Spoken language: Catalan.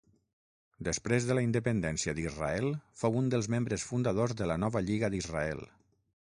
Després de la independència d'Israel, fou un dels membres fundadors de la nova lliga d'Israel.